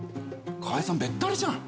川栄さんべったりじゃん。